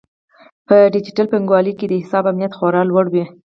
په ډیجیټل بانکوالۍ کې د حساب امنیت خورا لوړ وي.